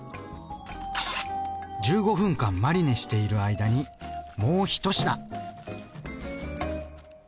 １５分間マリネしている間にもう１品！